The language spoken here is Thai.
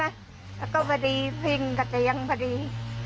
แล้วก็ประดีพริเภล์กระเจียงพอดี